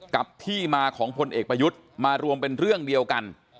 กับที่มาของพลเอกประยุทธ์มารวมเป็นเรื่องเดียวกัน